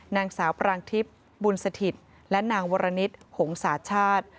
นางสาวปรางทิพย์บุญสถิตและนางวรณิตหงษาชาติ